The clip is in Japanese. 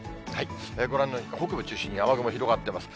ご覧のように北部中心に雨雲、広がってます。